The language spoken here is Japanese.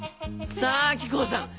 さぁ木久扇さん。